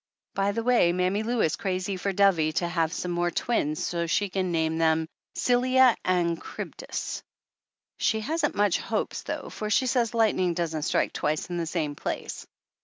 By the way, Mammy Lou is crazy for Dovie to have some more twins so she can name them "Scylla and Chrybdis." She hasn't much hopes though, for she says lightning doesn't strike twice in the same place.